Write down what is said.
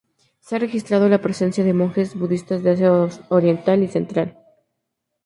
Se ha registrado la presencia de monjes budistas de Asia Oriental y central.